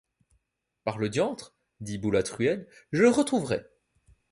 Par le diantre, dit Boulatruelle, je le retrouverai.